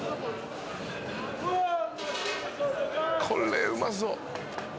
これうまそう。